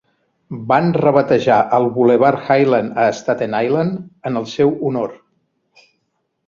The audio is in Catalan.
Van rebatejar el bulevard Hylan a Staten Island en el seu honor.